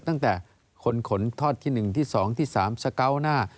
ตั้งแต่คนขนทอดที่๑ที่๒ที่๓สเกาะหน้า